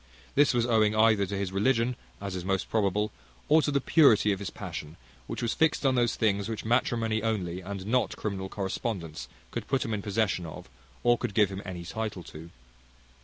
This was owing either to his religion, as is most probable, or to the purity of his passion, which was fixed on those things which matrimony only, and not criminal correspondence, could put him in possession of, or could give him any title to.